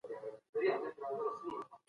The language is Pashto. سياستپوهنه د څه سي په اړه بحث کوي؟